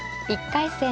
１回戦